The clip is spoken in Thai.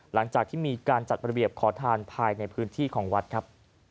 หลังจากที่มีการจัดระเบียบขอทานภายในพื้นที่ของวัดครับ